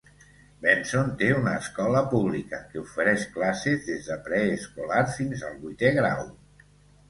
Benson té una escola pública, que ofereix classes des de preescolar fins al vuitè grau.